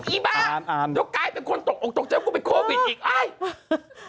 อีบ้าโดยกลายเป็นคนตกออกตกเจ้ากูเป็นโควิดอีก